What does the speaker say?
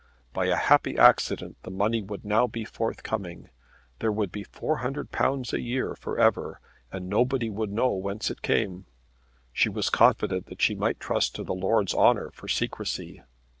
By a happy accident the money would now be forthcoming. There would be £400 a year for ever and nobody would know whence it came. She was confident that they might trust to the lord's honour for secrecy.